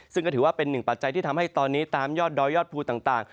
ซึ่งก็ถือว่าเป็นหนึ่งปัจจัยที่ทำให้ตอนนี้ตามยอดดอยยอดภูต่าง